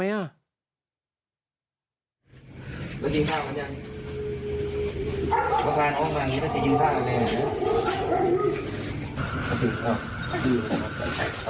สวัสดีค่ะคุณยังประการอ้อมแบบนี้ประสิทธิ์อยู่ข้างในไหนนะ